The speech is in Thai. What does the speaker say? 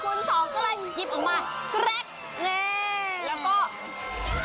ก็เลยยิบออกมาแกร๊ก